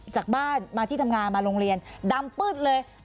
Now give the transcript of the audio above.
จากบ้านมาที่ทำงานมาโรงเรียนดำปื๊ดเลย